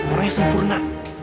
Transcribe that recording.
orang yang sempurna